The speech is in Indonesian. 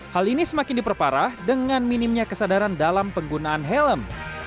hal ini semakin diperparah dengan minimnya kesadaran dalam penggunaan helm